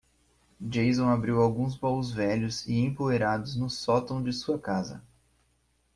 Jason abriu alguns baús velhos e empoeirados no sótão de sua casa.